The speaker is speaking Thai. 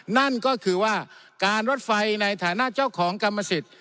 นั่นก็คือว่าการรถไฟในฐานะเจ้าของกรรมสิทธิ์